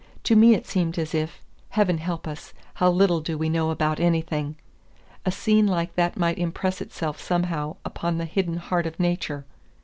To me it seemed as if Heaven help us, how little do we know about anything! a scene like that might impress itself somehow upon the hidden heart of nature.